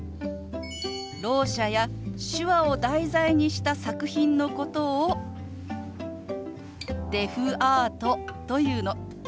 ろう者や手話を題材にした作品のことをデフアートと言うの。